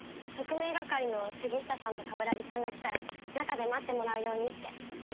特命係の杉下さんと冠城さんが来たら中で待ってもらうようにって。